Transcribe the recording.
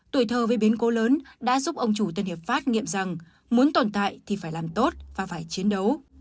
tuổi thơ với biến cố lớn đã giúp ông chủ tân hiệp pháp nghiệm rằng muốn tồn tại thì phải làm tốt và phải chiến đấu